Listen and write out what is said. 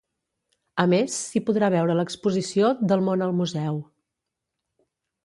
A més, s’hi podrà veure l’exposició Del món al museu.